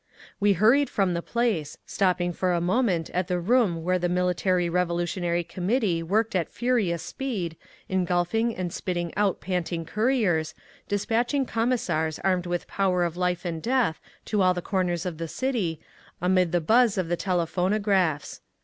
We hurried from the place, stopping for a moment at the room where the Military Revolutionary Committee worked at furious speed, engulfing and spitting out panting couriers, despatching Commissars armed with power of life and death to all the corners of the city, amid the buzz of the telephonographs.